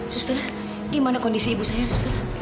suster gimana kondisi ibu saya suster